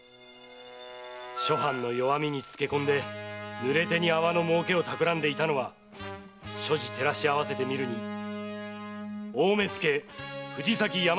諸藩の弱みにつけ込んで濡れ手に粟の儲けをたくらんでいたのは諸事照らし合わせてみるに大目付・藤崎大和